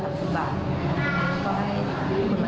ก็ให้คุณมาจัดการโอกาสอะไรประมาณนั้น